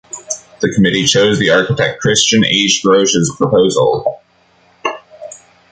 The committee chose the architect Christian H. Grosch's proposal.